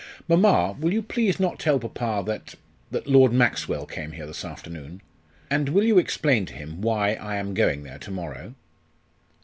"Mamma, will you please not tell papa that that Lord Maxwell came here this afternoon? And will you explain to him why I am going there to morrow?"